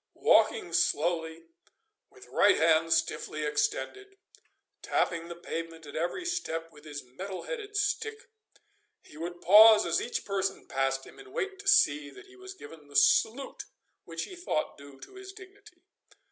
Walking slowly with right hand stiffly extended, tapping the pavement at every step with his metal headed stick, he would pause as each person passed him, and wait to see that he was given the salute which he thought due to his dignity.